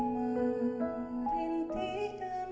merintih dan berdoa